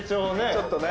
ちょっとね。